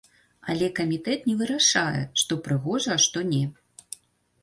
Але камітэт не вырашае, што прыгожа, а што не.